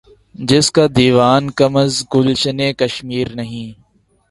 جس کا دیوان کم از گلشنِ کشمیر نہیں